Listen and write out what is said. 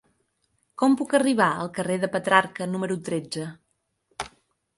Com puc arribar al carrer de Petrarca número tretze?